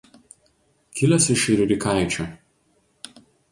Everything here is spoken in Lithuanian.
Kilęs iš Riurikaičių.